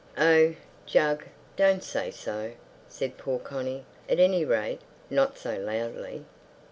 "Oh, Jug, don't say so!" said poor Connie. "At any rate, not so loudly."